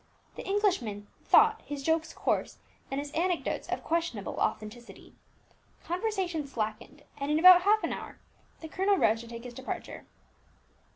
The Englishmen thought his jokes coarse, and his anecdotes of questionable authenticity. Conversation slackened, and in about half an hour the colonel rose to take his departure.